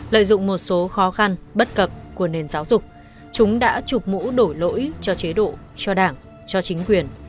lợi dụng một số khó khăn bất cập của nền giáo dục chúng đã chụp mũ đổi lỗi cho chế độ cho đảng cho chính quyền